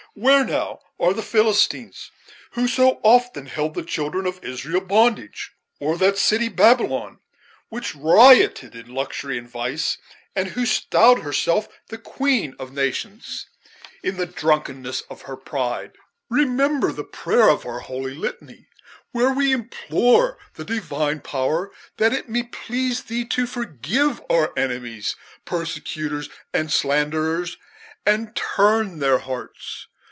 Where now are the Philistines, who so often held the children of Israel in bondage? or that city of Babylon, which rioted in luxury and vice, and who styled herself the Queen of Nations in the drunkenness of her pride? Remember the prayer of our holy litany, where we implore the Divine Power 'that it may please thee to forgive our enemies, persecutors, and slanderers, and to turn their hearts.